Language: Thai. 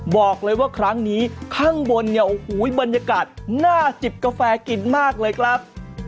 บอกเลยว่าครั้งนี้ข้างบนบรรยากาศน่าจิบกาแฟกลิ่นมากเลยครับ